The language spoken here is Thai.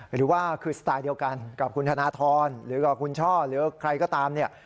หรือว่าคือสไตล์เดียวกันกับคุณธนทรหรือกับคุณช่อหรือใครก็ตามเนี่ย